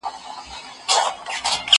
ما د سبا لپاره د يادښتونه بشپړ کړي دي؟!